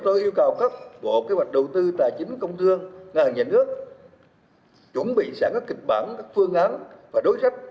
tôi yêu cầu các bộ kế hoạch đầu tư tài chính công thương ngành nhà nước chuẩn bị sẵn các kịch bản các phương án và đối sách